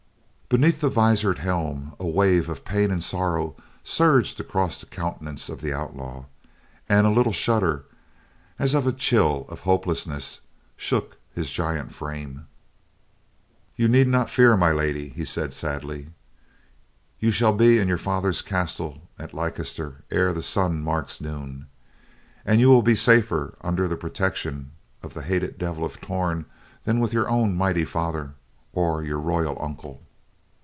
Beneath the visored helm, a wave of pain and sorrow surged across the countenance of the outlaw, and a little shudder, as of a chill of hopelessness, shook his giant frame. "You need not fear, My Lady," he said sadly. "You shall be in your father's castle of Leicester ere the sun marks noon. And you will be safer under the protection of the hated Devil of Torn than with your own mighty father, or your royal uncle."